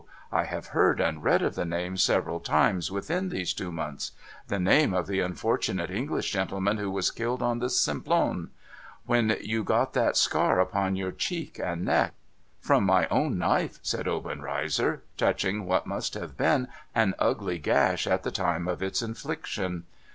I have heard and read of the name, several times within these two months. The name of the unfortunate English gentleman who was killed on the Simplon. When you got that scar upon your cheek and neck.' '— From my own knife,' said Obenreizer, touching what must have been an ugly gash at the time of its infliction.